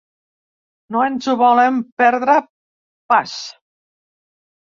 No ens ho volem perdre pas.